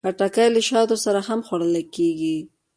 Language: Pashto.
خټکی له شاتو سره هم خوړل کېږي.